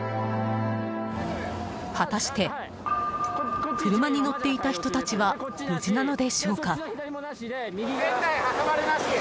果たして車に乗っていた人たちは無事なのでしょうか。